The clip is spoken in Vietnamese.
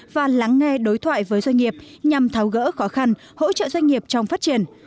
và lắng nghe đối thoại với doanh nghiệp nhằm tháo gỡ khó khăn hỗ trợ doanh nghiệp trong phát triển